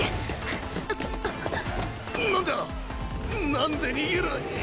なんで逃げない。